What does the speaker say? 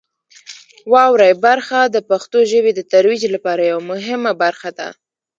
واورئ برخه د پښتو ژبې د ترویج لپاره یوه مهمه برخه ده.